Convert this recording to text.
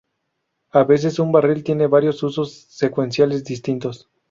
A veces un barril tiene varios usos secuenciales distintos.